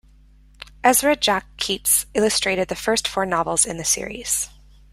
Ezra Jack Keats illustrated the first four novels in the series.